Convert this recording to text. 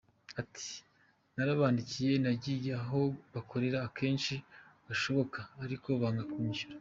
Ati « Narabandikiye, nagiye aho bakorera kenshi gashoboka ariko banga kunyishyura.